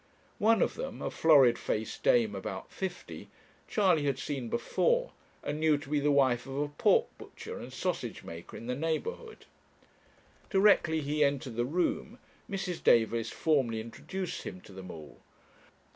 One of them, a florid faced dame about fifty, Charley had seen before, and knew to be the wife of a pork butcher and sausage maker in the neighbourhood. Directly he entered the room, Mrs. Davis formally introduced him to them all.